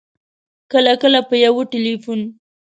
کله کله په یو ټېلفون